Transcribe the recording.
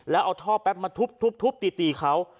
และเอาท่อแป๊กมาทุบทุบทุบทุบตีเขา